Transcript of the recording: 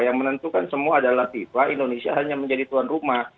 yang menentukan semua adalah fifa indonesia hanya menjadi tuan rumah